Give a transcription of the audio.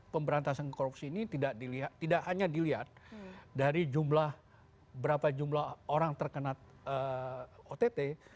pemberantasan korupsi ini tidak hanya dilihat dari jumlah berapa jumlah orang terkena ott